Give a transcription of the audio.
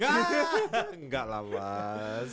enggak lah mas